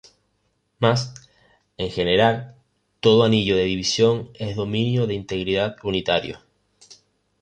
Más en general, todo anillo de división es dominio de integridad unitario.